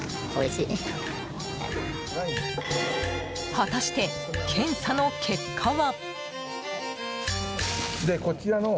果たして、検査の結果は。